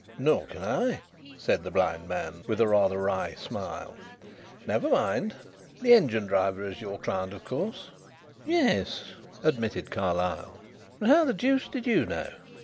"Nor can I," said the blind man, with a rather wry smile. "Never mind. The engine driver is your client, of course?" "Yes," admitted Carlyle. "But how the deuce did you know?"